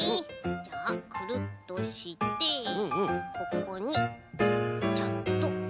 じゃあくるっとしてここにちゃんととおして。